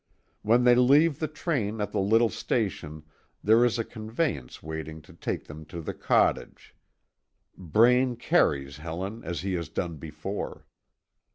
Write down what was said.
When they leave the train at the little station there is a conveyance waiting to take them to the cottage. Braine carries Helen as he has done before.